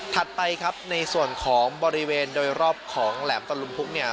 ไปครับในส่วนของบริเวณโดยรอบของแหลมตะลุมพุกเนี่ย